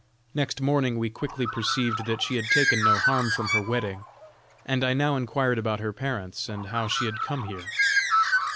Next morning we quickly perceived that she had taken no harm from her wetting, and I now inquired about her parents, and how she had come here.